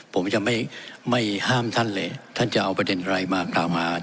ผมจะไม่ห้ามท่านเลยท่านจะเอาประเด็นอะไรมากล่าวหา